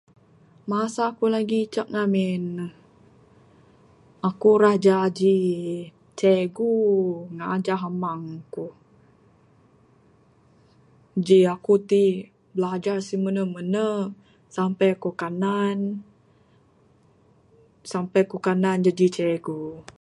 Masa ku lagi icek ngamin ne, aku ra jaji cikgu. Ngajah amang ku. Ji aku ti bilajar simene mene sampe ku kanan, sampe ku kanan jaji cikgu.